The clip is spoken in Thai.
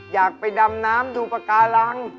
อยากไปดำน้ำดูปากการัง